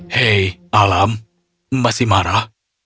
hei alam masih marah